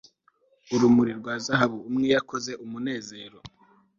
urumuri rwa zahabu. umwe yakoze umunezero